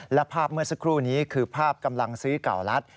และภาพเมื่อสักครู่นี้คือภาพกำลังซื้อเก่ารัฐ